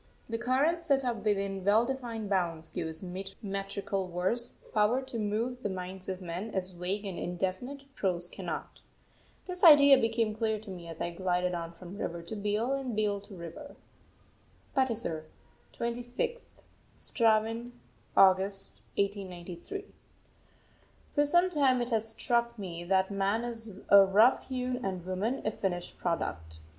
The current set up within well defined bounds gives metrical verse power to move the minds of men as vague and indefinite prose cannot. This idea became clear to me as I glided on from river to beel and beel to river. PATISAR, 26th (Straven) August 1893. For some time it has struck me that man is a rough hewn and woman a finished product.